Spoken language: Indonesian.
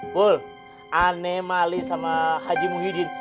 wul ane mali sama haji muhyiddin